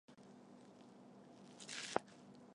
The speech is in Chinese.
摩天轮和夜景最棒了